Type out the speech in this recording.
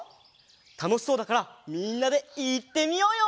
たのしそうだからみんなでいってみようよ！